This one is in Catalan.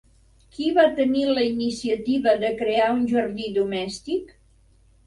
Qui va tenir la iniciativa de crear un «jardí domèstic»?